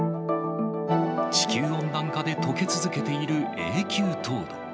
地球温暖化でとけ続けている永久凍土。